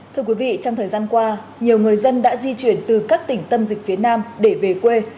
thưa quý vị trong thời gian qua nhiều người dân đã di chuyển từ các tỉnh tâm dịch phía nam để về quê